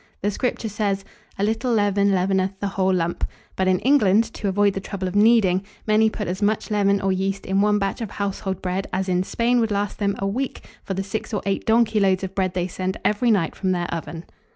The Scripture says, "A little leaven leaveneth the whole lump;" but in England, to avoid the trouble of kneading, many put as much leaven or yeast in one batch of household bread as in Spain would last them a week for the six or eight donkey loads of bread they send every night from their oven.